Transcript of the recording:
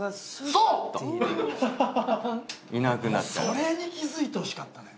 それに気付いてほしかったのよ。